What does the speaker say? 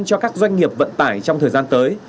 cho các doanh nghiệp vận tải trong thời gian tới